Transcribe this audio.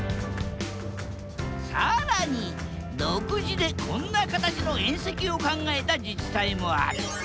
更に独自でこんな形の縁石を考えた自治体もある。